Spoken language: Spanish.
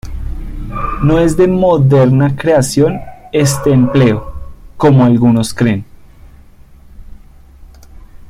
No es de moderna creación este empleo, como algunos creen.